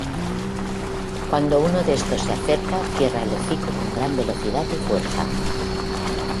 Cuando uno de estos se acerca, cierra el hocico con gran velocidad y fuerza.